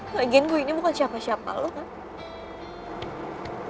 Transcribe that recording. lagian gue ini bukan siapa siapa lo kan